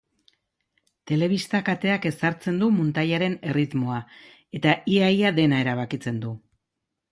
Telebista-kateak ezartzen du muntaiaren erritmoa, eta ia-ia dena erabakitzen du.